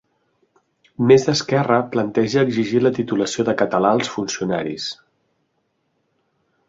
Més Esquerra planteja exigir la titulació de català als funcionaris